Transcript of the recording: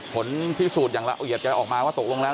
ผลพิสูจน์อย่างละเอียดจะออกมาว่าตกลงแล้ว